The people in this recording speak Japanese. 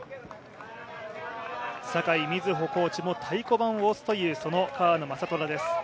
酒井瑞穂コーチも太鼓判を押すという川野将虎です。